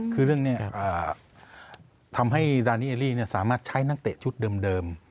คือเรื่องนี้ทำให้ดานีเอลลี่สามารถใช้นักเตะชุดเดิม